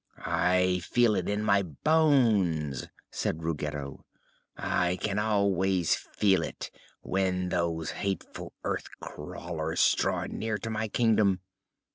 "I feel it in my bones," said Ruggedo. "I can always feel it when those hateful earth crawlers draw near to my Kingdom.